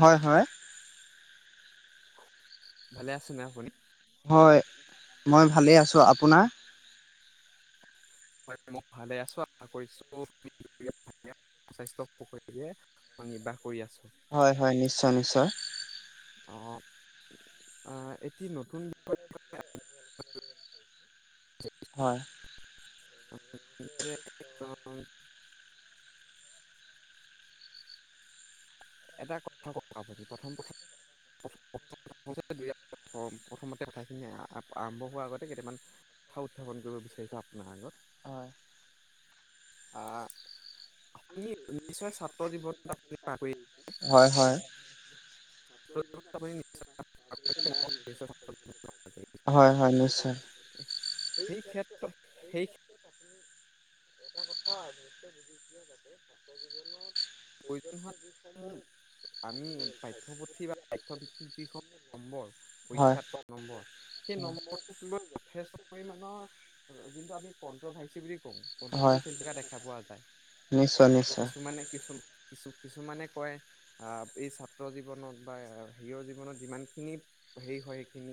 হয় হয় ভালে আছেনে আপুনি হয় মই ভালে আছো আপোনাৰ মই ভালে আছো আশা কৰিছো স্বাস্থ্য নিৰ্বাহ কৰি আছো হয় হয় নিশ্চয় নিশ্চয় অঁ এটি নতুন বিষয় হয় যে অঁ এটা কথা ক আপুনি প্ৰথম কথা প্ৰথমতে কথাখিনি আৰম্ভ হোৱাৰ আগতে কেইটামান কথা উত্থাপন কৰিব বিচাৰিছো আপোনাৰ আগত হয় অঁ আপুনি নিশ্চয় জীৱন কৰি হয় হয় প্ৰত্যেক কে হয়-হয় নিশ্চয়। সেই ক্ষেত্ৰত সেই এটা কথা অৱশ্যে বুজিছেই যাতে ছাত্ৰ জীৱনত [inaudible] প্ৰয়োজন হোৱা যি সমূহ আমি আজি পাঠ্যপুথি বা পাঠ্যপুথিৰ পাঠ্যভিত্তিক যিসমূহ যিখিনি নম্বৰ পৰীক্ষাত পোৱা নম্বৰ সেই নম্বৰটোক লৈ যথেষ্ট পৰিমাণৰ [unintelligible] কন্টভাৰজি চলি থকা দেখা পোৱা যায়, নিশ্চয় নিশ্চয় কিছুমানে কিছু কিছু কিছুমানে কয়, এই ছাত্ৰ জীৱনত বা সেই জীৱনত যিমানখিনি হেৰি হয় সেইখিনি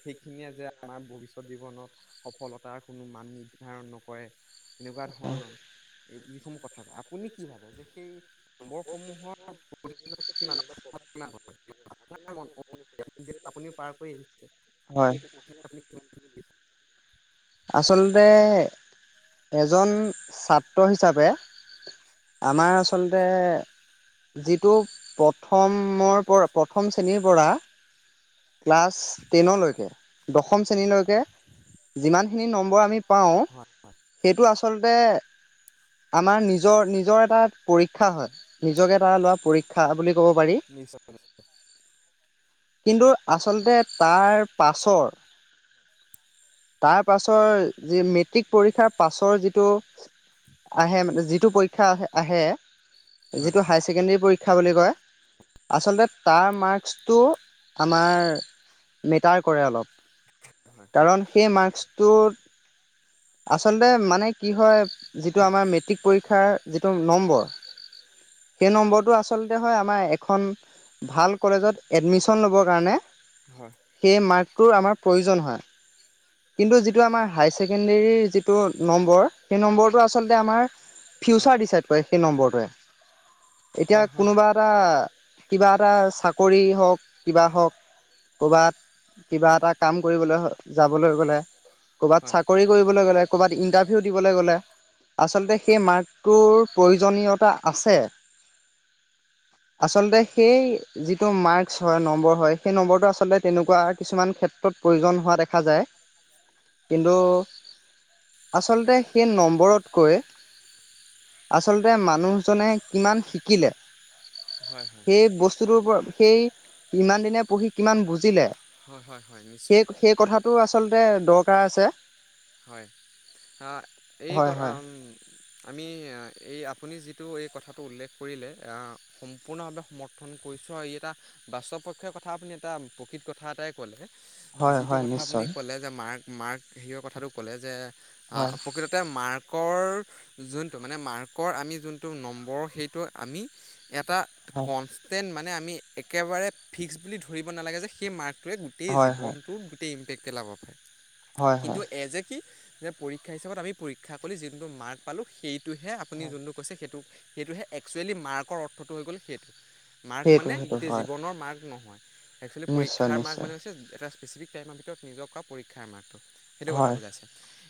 সেইখিনিয়ে যে আমাৰ ভৱিষ্যত জীৱনত সফলতাৰ কোনো মান নিৰ্ধাৰণ নকৰে। এনেকুৱা হয় ধৰণৰ যিসমূহ কথা কয় আপুনি কি ভাবে যে সেই নম্বৰসমূহৰ প্ৰয়োজনীয় কিমান নম্বৰসমূহৰ বা প্ৰভাৱ কিমান হয় আপোনাৰ ম অনুসৰি আপুনি যিহেতু আগত পাৰ গৈছে [unintelligible] [unintelligible] আ [unintelligible] [unintelligible] আচলতে এজন ছাত্ৰ হিচাপে আমাৰ আচলতে যিটো প্ৰথমৰ পৰা প্ৰথম শ্ৰেণীৰ পৰা ক্লাছ টেনলৈকে দশম শ্ৰেণীলৈকে যিমান খিনি নম্বৰ আমি পাওঁ, হয় এইটো আচলতে আমাৰ নিজৰ-নিজৰ এটা পৰীক্ষা হয়, নিজকে এটা লোৱা পৰীক্ষা বুলি ক'ব পাৰি [unintelligible] নিশ্চয়-নিশ্চয়, কিন্তু আচলতে তাৰ পাছৰ, তাৰ পাছৰ যি মেট্ৰিক পৰীক্ষাৰ পাছৰ যিটো আহে, মানে যিটো পৰীক্ষা আহে, হয় যিটো হায়াৰ ছেকেণ্ডেৰী পৰীক্ষা বুলি কয় আচলতে তাৰ মাৰ্কচটো আমাৰ মেটাৰ কৰে অলপ। হয় হয় কাৰণ সেই মাৰ্কচ আচলতে মানে কি হয়, যিটো আমাৰ মেট্ৰিক পৰীক্ষাৰ যিটো নম্বৰ, সেই নম্বৰটো আচলতে হয় আমাৰ এখন ভাল কলেজত এডমিশন ল'বৰ কাৰণে হয় সেই মাৰ্কটোৰ আমাৰ প্ৰয়োজন হয়। কিন্তু যিটো আমাৰ হায়াৰ ছেকেণ্ডেৰীৰ যিটো নম্বৰ, সেই নম্বৰটো আচলতে আমাৰ হয় ফিউচাৰ ডিচাইড কৰে সেই নম্বৰটোৱে। এতিয়া হয় হয় কোনোবা এটা কিবা এটা চাকৰি হওক কিবা হওক ক'ৰবাত কিবা এটা কাম কৰিবলৈ যাবলৈ গ'লে ক'ৰবাত হয় চাকৰি কৰিবলৈ গ'লে, ক'ৰবাত ইণ্টাৰভিউ দিবলৈ গ'লে, আচলতে সেই মাৰ্ক তোৰ প্ৰয়োজনীয়তা আছে, আচলতে সেই যিটো মাৰ্কচ হয়, নম্বৰ হয় সেই নম্বৰটো আচলতে তেনেকুৱা কিছুমান ক্ষেত্ৰত প্ৰয়োজন হোৱা দেখা যায় কিন্তু, আচলতে সেই নম্বৰতকৈ আচলতে মানুহজনে কিমান শিকিলে হয় সেই বস্তুটোৰ পৰা, সেই ইমান দিনে পঢ়ি, কিমান বুজিলে হয় হয় হয় নিশ্চয় সেই-সেই কথাটো আচলতে দৰ আছে হয়, অ এই হয় কৰ হয় আম আমি এই আপুনি যিটো এই কথাটো উল্লেখ কৰিলে অ সম্পূৰ্ণভাৱে সমৰ্থন কৰিছোঁ আৰু ই এটা বাস্তৱপক্ষৰ কথা আপুনি এটা প্ৰকৃত কথা এটাই ক'লে হয় যিটো হয় কথা আপুনি নিশ্চয় ক'লে যে মাৰ্ক-মাৰ্ক [unintelligible] কথাটো কলে যে অ, হয় প্ৰকৃততে মাৰ্কৰ যোনটো, মানে মাৰ্কৰ আমি যোনটো নম্বৰ সেইটো আমি এটা হয় কনষ্টেণ্ট মানে আমি একেবাৰে ফিক্স বুলি ধৰিব নালাগে যে সেই মাৰ্ক টোৱে গোটেই হয় হয় জীৱনটোত গোটেই [unintelligible] হয় কিন্তু হয়। এ যে কি যে পৰীক্ষা হিচাপত আমি পৰীক্ষা কৰি যোনটো মাৰ্ক পালোঁ সেই তটোহে আপুনি হয় যোনটো কৈছে সেইটো। সেইটোহে একচুৱেলি মাৰ্কৰ অৰ্থটো হৈ গ'ল সেইটো। মাৰ্ক সেইটো মানে সেইটো গোটেই হয় জীৱনৰ মাৰ্ক নহয়। একসুৱেলী নিশ্চয় পৰীক্ষাৰ মাৰ্ক নিশ্চয় মানে হৈছে এটা স্পেচিফিক। মাহ ভিতৰত নিজক কৰা পৰীক্ষাৰ মাৰটোত সেইটো কথা হয় বুজাইছে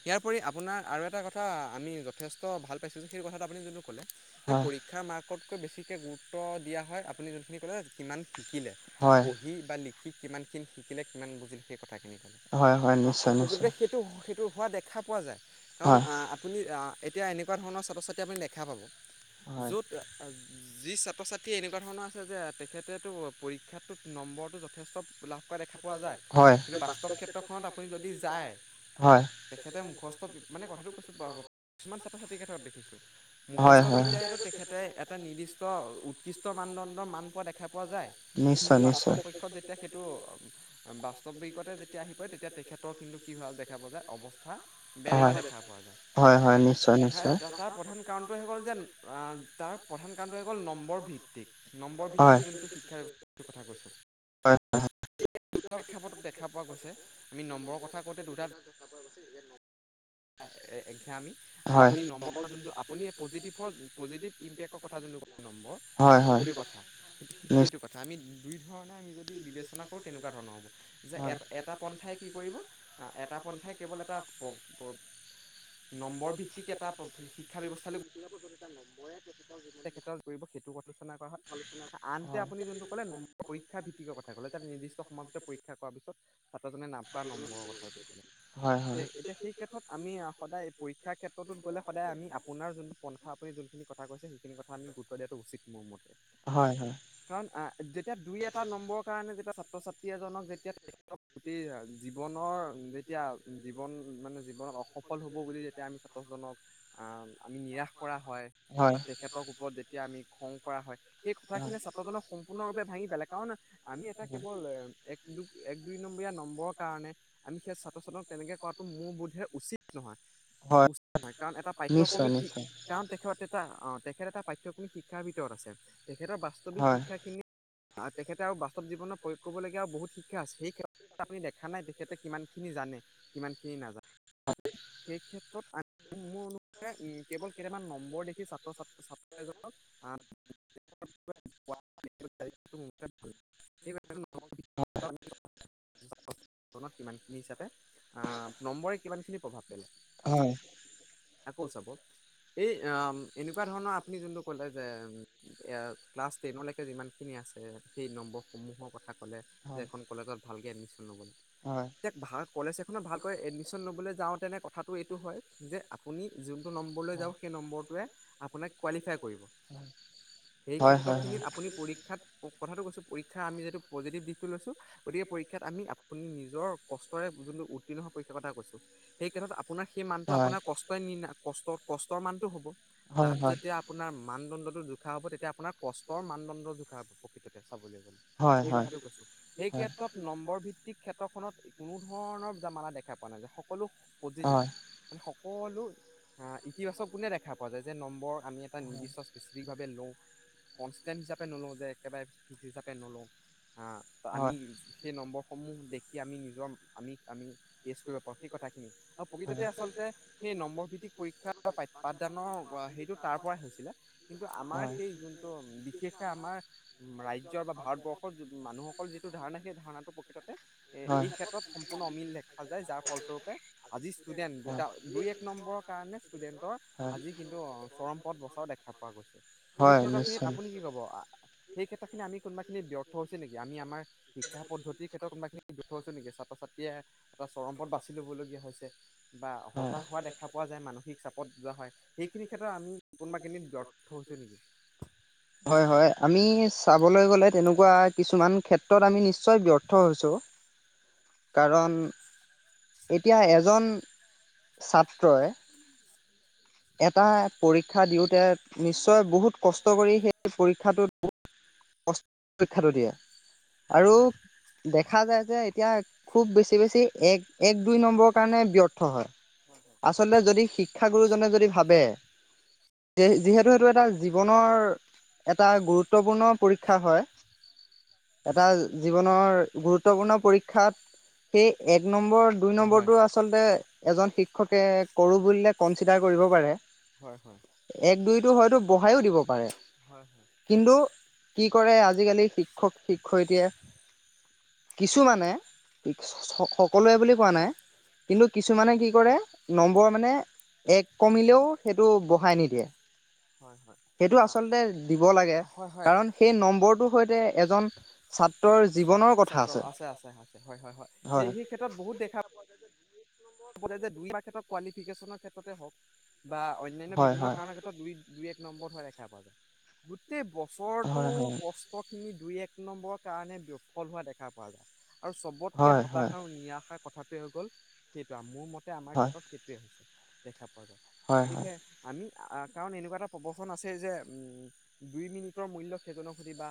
ইয়াৰ উপৰি আপোনাৰ আৰু এটা কথা আমি যথেষ্ট ভাল পাইছোঁ যে সেই কথাটো আপুনি যোনটো ক'লে যে হয়। পৰীক্ষাৰ মাৰ্কতকৈ বেছিকৈ গুৰুত্ব দিয়া হয় আপুনি যোনখিনি ক'লে কিমান শিকিলে হয় পঢ়ি বা লিখি কিমানখিনি শিকিলে কিমান বুজিলে সেই কথাখিনি ক'লে হয় হয় নিশ্চয় প্ৰকতে। সেইটো সেইটো হোৱা নিশ্চয়। দেখা পোৱা যায় কাৰণ হয়। আপুনি এতিয়া এনেকুৱা ধৰণৰ ছাত্ৰ ছাত্ৰী আপুনি দেখা পাব, হয়, য'ত যি ছাত্ৰ ছাত্ৰীয়ে এনেকুৱা ধৰণৰ আছে যে তেখেতততো পৰীক্ষাতটোত নম্বৰটো যথেষ্ট লাভ কৰা দেখা পোৱা যায় হয়, কিন্তু বাস্তৱ ক্ষেত্ৰখনত আপুনি যদি াৰ হয়, তেখেতে মুখস্থ মানে কথাটো কৈছোঁ কিছুমান ছাত্ৰ ছাত্ৰীৰ ক্ষেত্ৰত দেখিছোঁ হয়, মুখস্থ হয়, বিদ্যালো তেখেতে এটা নিৰ্দিষ্ট উৎকৃষ্ট মানদণ্ডৰ মান পোৱা দেখা পোৱা যায় কিন্তু নিশ্চয়, বাস্তৱ নিশ্চয়। পক্ষত যেতিয়া সেইটো বাস্তৱ বিকতে যেতিয়া আহি পৰে তেতিয়া তেখেতৰ। কিন্তু [unintelligible] কি হ দেখা পোৱা যায় অৱস্থা বেয়া হোৱা হয়, দেখা পোৱা হয়, হয়, নিশ্চয়, যায় নিশ্চয়, তাৰ প্ৰধান কাৰণটো হৈ গ'ল যে তাৰ প্ৰধান কাৰণটো হৈ গ'ল নম্বৰ ভিত্তিক নম্বৰ ভিত্তিত হয়, যোনটো শিক্ষা ব্যৱস্থ কথা কৈছোঁ। হয়, ক্ষাপটত দেখা পোৱা গৈছে আমি নম্বৰৰ কথা। কথা প্ৰতি দু দেখা প [unintelligible] এঘা আমি আৰু হয়, আপুনি নম্বৰৰ যোনটো আপুনি পজিটিভৰ পজিটিভ ইম্পেক্টৰ কথা যোনটো কয় নম্বৰ হয়, হয়, সেইটো কথা সেইটো নিশ্চয়। কথা আমি। দুই ধৰণে আমি যদি বিবেচনা কৰোঁ তেনেকুৱা ধৰণৰ হ'ব। যে হয়, এটা এটা পন্থাই কি কৰিব, এটা পন্থাই কেৱল এটা প্ৰ নম্বৰ ভিত্তিক এটা শিক্ষা ব্যৱস্থালৈ [unintelligible] নম্বৰে তেখেতৰ কৰিব সেইটো কলোচনা কৰা হয়, আন হাতে আপুনি যোনটো কলে ন, পৰীক্ষাৰ ভিত্তি থা ক তাত নিৰ্দিস্ত সমাজতে পৰীক্ষা কৰাৰ পিছত জনে নাম কৰা নম্বৰৰ কথাটোক ক'লে। হয়, হয়, হয়। সেই এতিয়া সেই ক্ষেত্ৰত আমি সদায় পৰীক্ষাৰ ক্ষেত্ৰটোত গ'লে সদায় আমি আপোনাৰ যোনটো পন্থা, আপুনি যোনখিনি কথা কৈছে আমি গুৰুত্ব দিয়াটো উচিত মোৰ মতে। হয়, কাৰণ আ যেতিয়া দুই এটা নম্বৰৰ কাৰণে যেতিয়া ছাত্ৰ ছাত্ৰী এজনক যেতিয়া গোটেই জীৱনৰ যেতিয়া জীৱন মানে জীৱনত অসফল হ'ব বুলি যেতিয়া আমি ছাত্ৰজনক আ আমি নিৰাশ কৰা হয় হয়, তেখেতক ওপৰত যেতিয়া আমি খং কৰা হয়, সেই হয়, হয়। কথাখিনিয়ে ছাত্ৰজনক সম্পূৰ্ণৰূপে ভাঙি পেলাই, কাৰণ আমি এটা কেৱল এক এক দুই নম্বৰিয়া কাৰণে, আমি সেই ছাত্ৰজনক তেনেকৈ কৰাটো মোৰ বোধে উচিত নহয় হয়, উচিত নহয়, কাৰণ এটা নিশ্চয়, পাঠ্যক্ৰমিক শিক নিশ্চয়, কাৰণ তেখেত এটা অ তেখেত এটা পাঠ্যক্ৰমিক শিক্ষাৰ ভিতৰত আছে। তেখেতৰ বাস্তৱিক হয়, শিক্ষাখিনি তেখেতে আৰু বাস্তৱ জীৱনৰ প্ৰয়োগ কৰিবলগীয়া আৰু বহুত শিক শিক্ষা আছে। সেই ক্ষেত্ৰত আপুনি দেখা নাই তেখেতে কিমানখিনি জানে, কিমান কি নাজা সেই ক্ষেত্ৰত আ, মোৰ [unintelligible] কেৱল কেইটামান নম্বৰ দেখি চা [unintelligible] অ [unintelligible] কিমানখিনি হিচাপে, আ নম্বৰে কিমানখিনি প্ৰভাৱ পেলায়। হয়, আকৌ চাব, এই উম তেনেকুৱা ধৰণৰ আপুনি যোনটো ক'লে যে, এয়া ক্লাছ টেনৰলৈকে যিমানখিনি আছে, সেই নম্বৰসমূহৰ কথা ক'লে, হয়, যে হয়। এখন কলেজত ভালকে এডমিশ্বন লবলে হয়, হয়, কলেজ এখনত ভালকৈ এডমিশ্বন লবলৈ যাওঁতেনে কথাটো এইটো হয়, যে আপুনি যোনটো নম্বৰলৈ হয়, যাওঁক সেই নম্বৰটোৱে আপোনাক কোৱালিফাই কৰিব। সেই হয়, ক্ষেত্ৰখিনিত আপুনি পৰীক্ষাত, কথাটো কৈছোঁ পৰীক্ষাৰ আমি যিহেতু পজিটিভ দিশটো লৈছোঁ গতিকে পৰীক্ষাত আমি আপুনি নিজৰ কষ্টৰে যোনটো উত্তীৰ্ণ হোৱাৰ পৰীক্ষাৰ কথা কৈছো। সেই ক্ষেত্ৰত আপোনাৰ সেই মানটো আপোনাৰ কষ্টই ক-কষ্টৰ মানটো হব। তাত হয়, হয়, যেতিয়া আপোনাৰ মানদণ্ডটো জোখা হ'ব তেতিয়া আপোনাৰ কষ্টৰ মানদণ্ড জোখা হয় প্ৰকৃততে চাবলৈ গ'লে, হয়, সেই হয়। কথাটো কৈছো। সেই এই ক্ষেত্ৰত নম্বৰ ভিত্তিক ক্ষেত্ৰখনত কোনো ধৰণৰ জামালা দেখা পোৱা নাযাই। সকলো পজিটিভ, হয়। মানে সকলো আ ইতিবাচক কোনে দেখা পোৱা যায় যে নম্বৰ আমি এটা নিৰ্দিষ্ট স্পেচিফিকভাৱে লওঁ কনছস্তেণ্ট হিচাপে নলওঁ, যে একেবাৰে ফিক্স হিচাপে নলওঁ। হা, ত' আমি হয়। সেই নম্বৰসমূহ দে কি আমি নিজৰ আমি, আমি েষ্ট কৰিব পাৰোঁ সেই কথাখিনি আৰু প্ৰকৃততে হয়। আচলতে সেই নম্বৰ ভিত্তিক পৰীক্ষাা পাঠদানৰ সেইটো তাৰ পৰাৰাই হৈছিলে কিন্তু আমাৰ সেই যোনটো বিশেষকৈ আমাৰ ৰাজ্যৰ বা ভাৰতবৰ্ষৰ মানুহসকল যিটো ধাৰণা সেই ধাৰণাটো প্ৰকৃততে এই ক্ষেত্ৰত সম্পূৰ্ণ অমিল দেখে। এ দেখা যায় যাৰ ফলস্বৰূপে আজি ষ্টুডেন্ট দুটা দুই এক নম্বৰৰ কাৰণে ষ্টুডেন্টৰ আজি কিন্তু চৰম পথ বচাও দেখা পোৱা গৈছে সেই ক্ষেত্ৰ খিনিত আপুনি কি ক'ব? সেই ক্ষেত্ৰ খিনি আমি কোনোবা খিনি ব্যৰ্থ হৈ হৈছে নেকি? আমি আমাৰ শিক্ষা পদ্ধতিৰ ক্ষেত্ৰত কোনোবা খিনি ব্যৰ্থ হৈছো নেকি ছাত্ৰ ছাত্ৰীয়ে এটা চৰম পত বাচি ল'বলগীয়া হৈছে বা হতাশ হোৱা দেখা পোৱা যায় মানসিক চাপত যোৱা হয়। সেইখিনি ক্ষেত্ৰত আমি কোনোবাখিনিত ব্যৰ্থ হৈছোঁ নেকি? বলৈ গ'লে। তেনেকুৱা কিছুমান ক্ষেত্ৰত আমি নিশ্চয় ব্যৰ্থ হৈছো। কাৰণ। এতিয়া এজন ছাত্ৰই এটা। পৰীক্ষা দিওঁতে নিশ্চয় বহুত কষ্ট কৰি সেই পৰীক্ষাটোত কষ্টত পৰীক্ষা টো দিয়ে। হয় আৰু হয় দেখা যায় যে এতিয়া খুব বেছি। আটাতকৈ বেছি। এক এক দুই নম্বৰৰ কাৰণে ব্যৰ্থ হয়। আচলতে যদি শিক্ষাগুৰুজনে যদি ভাৱে যিহেতু সেইটো এটা জীৱনৰ এটা গুৰুত্বপূৰ্ণ পৰীক্ষা হয় এটা জীৱনৰ গুৰুত্বপূৰ্ণ পৰীক্ষাত সেই। এক নম্বৰ দুই হয় নম্বৰটো আচলতে। শিক্ষকে কৰোঁ বুলিলে কনচিডাৰ কৰিব পাৰে হয় হয় এক দুইটো হয়তো বঢ়াই ও দিব পাৰে হয় হয় কিন্তু কি কৰে আজিকালি শিক্ষক শিক্ষয়িত্ৰীয়ে। কিছু মানে কি। সকলোৱে বুলি কোৱা নাই কিন্তু কিছুমানে কি কৰে নম্বৰ মানে এক কমিলেও সেইটো বঢ়াই নিদিয়ে হয় হয় সেইটো আ, আচলতে দিব লাগে হয় হয় কাৰণ সেই নম্বৰটোৰ সৈতে এজন ছাত্ৰৰ ছাত জীৱনৰ কথা ছাত্ৰ আছে আছে হয় হয় সেই হয়। সেই বহুত দেখা পোৱা যে দুই মাহ ক্ষেত্ৰত কোৱালিফিকেশ্যনৰ ক্ষেত্ৰতে হওঁক বা অনন্যা হয় বিভিন্ন হয় কাৰণৰ ক্ষেত্ৰত দুই দুই এক। নম্বৰ হোৱা দেখা পোৱা যায়। গোটেই হয় বছৰটোৰ হয় কষ্টখিনি। দুই এক নম্বৰৰ কাৰণে বিফল হোৱা দেখা পোৱা যায়। আৰু চবতকে হয় হতাশা আৰু নিৰাশাৰ কথা। কি হৈ গ'ল। সেইটো মোৰ মতে আমাৰ হয় হয় ক্ষেত্ৰত সেইটোৱে হৈছে। দেখা পা যায় হয় হয় গতিকে আমি। কাৰণ এনেকুৱা এটা প্ৰৱচন আছে যে, দুই মিনিটৰ মূল্য সেইজনক সুধিবা,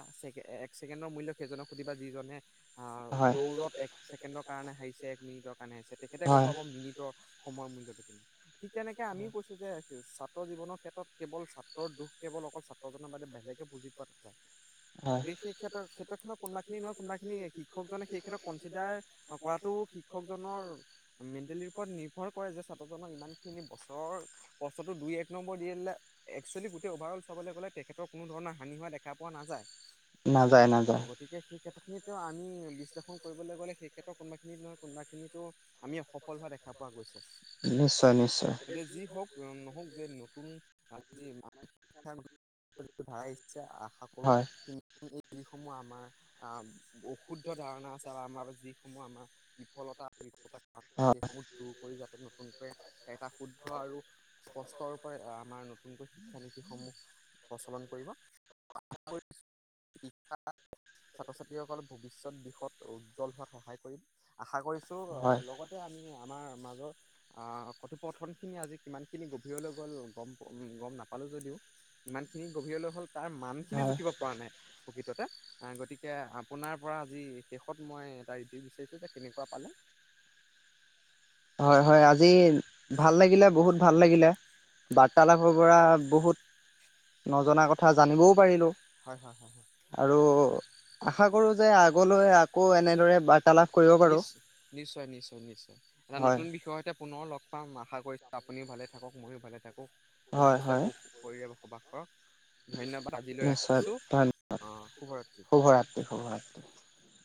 এক ছেকেণ্ডৰ মূল্য সেইজনক সুধিবা, যিজনে অ, হয়। দৌৰত এক ছেকেণ্ডৰ কাৰণে হাৰিছে, এক মিনিটৰ কাৰণে হালিছে। তেতিয়া গম হয় পাব মিনিটৰ সময়ৰ মূল্যটো কিনে, ঠিক তেনেকৈ আমিও কৈছোঁ যে ছাত্ৰ জীৱনৰ ক্ষেত্ৰত কেৱল ছাত্ৰৰ দুখ, কেৱল অকল ছাত্ৰ‌জন নম্বৰটো বেলেগকে বুজি পাইছা। অহ, বিশেষ কোনোবাখিনি নহয় ক্ষেত্ৰত কোনোবাখিনি শিক্ষকজনে সেই কোনোবাখিনি ক্ষেত্ৰত কনচিডাৰ নহয় কৰাটো কোনোবাখিনিৰ শিক্ষকজনৰ [unintelligible] মেণ্টেলিৰ ওপৰত নিৰ্ভৰ কৰে, যে ছাত্ৰজনক ইমানখিনি বছৰৰ-বছৰটো দুই-এক নম্বৰ দি দিলে, এক্সুৱেলি গোটেই অভাৰ-অল চাবলৈ গ'লে তেখেতৰ কোনো ধৰণৰ হা পানী হোৱা দেখা পোৱা নাযায়। নাযায় অ, নাযায় গতিকে সেই ক্ষেত্ৰতখিনিত কিয় আমি বিশ্লেষণ কৰিবলৈ গ'লে সেই ক্ষেত্ৰৰ কোনোবাখিনিত নহয় কোনোবাখিনিতো আমি সফল হোৱা দেখা পোৱা গৈছে। নিশ্চয় নিশ্চয় এতিয়া যি হওক নহওক যে নতুন আজিৰ ত ধ ইচছা আহ [inaudible] আশা কৰো হয় কি [unintelligible] এইসমূহ আমাৰ আ বহু অশুদ্ধ ধাৰণা আছে বা আমাৰ যিসমূহ আমাৰ বিফলতা হয় সেইসমূহ দূৰ কৰি যাতে নতুন [inaudible] হয় [unintelligible] এটা শুদ্ধ আৰু স্পষ্ট ৰূপৰে আমাৰ নতুনকৈ- শিক্ষা নীতিসমূহ প্ৰচলন কৰিব আৰু ছাত্ৰ-ছাত্ৰীসকল ভৱিষ্যত দিশত উজ্জ্বল হোৱাত সহায় কৰিম আশা কৰিছোঁ। হয় লগতে আমি আমাৰ মাজৰ আহ কথোপকথন খিনি আজি কিমান খিনি গভীৰলৈ গ'লোঁ গম নাপালো, যদিও ইমানখিনি গভীৰলৈ হ'ল তাৰ মানখিনি হয় জুখিব পৰা নাই, প্ৰকৃততে, গতিকে আপোনাৰ পৰা আজি শেষত মই এটা ৰিভিউ বিচাৰিছোঁ যে কেনেকুৱা পালে? হয়-হয় আজি ভাল লাগিলে বহুত ভাল লাগিলে, বাৰ্তালাপৰ পৰা বহুত নজনা কথা জনিবও পাৰিলো। হয় হয় হয় হয় আৰু আশা কৰোঁ যে, আগলৈ আকৌ এনেদৰে বাৰ্তালাপ কৰিব পাৰো। নিশ নিশ্চয় নিশ্চয় নিশ্চয় এটা হয় নতুন বিষয়ৰ সৈতে পুনৰ লগ পাম আশা কৰিছো, আপুনিও ভালে থাকক ময়ো ভালে থাকোঁ। হয় সুস্বাস্থ্য হয় সুখ কৰি বসবাস অ। ধন্যবাদ আজিলৈ নিশ্চয় ৰাখিছো, ধন্য অঁ শুভৰাত্ৰি [unintelligible]